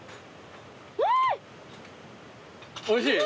おいしい？